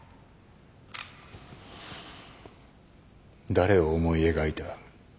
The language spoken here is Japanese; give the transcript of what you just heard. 誰を思い描いた？